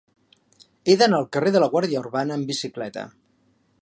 He d'anar al carrer de la Guàrdia Urbana amb bicicleta.